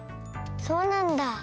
そうなんだ。